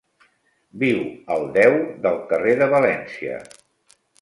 Viu al deu del carrer de València.